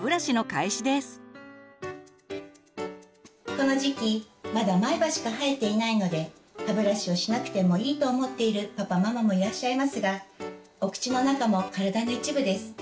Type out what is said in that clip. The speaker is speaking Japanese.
この時期まだ前歯しか生えていないので歯ブラシをしなくてもいいと思っているパパママもいらっしゃいますがお口の中も体の一部です。